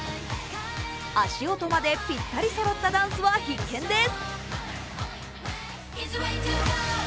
足音までぴったりそろったダンスは必見です。